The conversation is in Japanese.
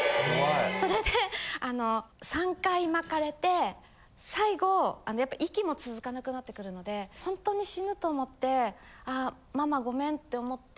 ・それで３回巻かれて最後あのやっぱ息も続かなくなってくるのでほんとに死ぬと思って。って思って。